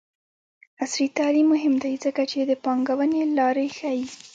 عصري تعلیم مهم دی ځکه چې د پانګونې لارې ښيي.